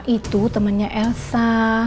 itu temennya elsa